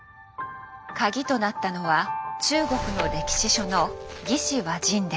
鍵となったのは中国の歴史書の「魏志倭人伝」。